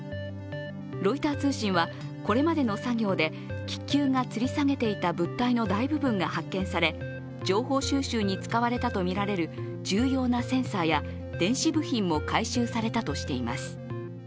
ロイター通信はこれまでの作業で気球がつり下げていた物体の大部分が発見され情報収集に使われたとみられる重要なセンサーや電子部品も回収されたとしています。